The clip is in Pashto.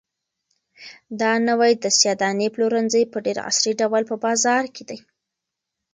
دا نوی د سیاه دانې پلورنځی په ډېر عصري ډول په بازار کې دی.